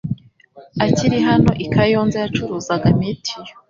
akiri hano i Kayonza yacuruzaga mituyu